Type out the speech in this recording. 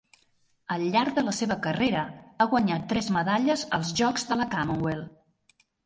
Al llarg de la seva carrera ha guanyat tres medalles als Jocs de la Commonwealth.